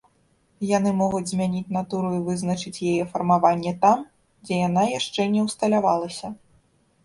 Яны могуць змяніць натуру і вызначыць яе фармаванне там, дзе яна яшчэ не ўсталявалася.